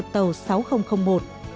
tàu sản phẩm